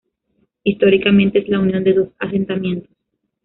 Históricamente, es la unión de dos asentamientos.